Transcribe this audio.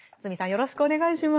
よろしくお願いします。